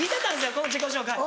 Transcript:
この自己紹介。